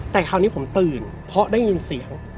แต่คราวนี้ผมตื่นเพราะได้ยินเสียง